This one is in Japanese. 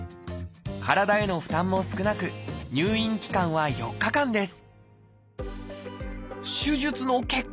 体への負担も少なく入院期間は４日間です。